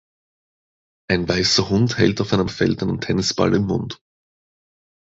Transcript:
Ein weißer Hund hält auf einem Feld einen Tennisball im Mund.